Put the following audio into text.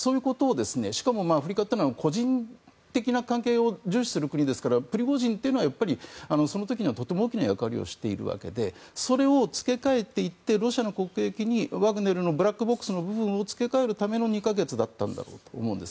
しかもアフリカというのは個人的な関係を重視する国ですからプリゴジンというのはその時にはとても大きな役割でそれを付け替えていってロシアの国益にワグネルのブラックボックスの部分を付け替えるための２か月だったんだと思うんです。